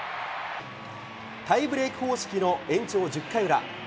タイブレーク方式の延長１０回裏。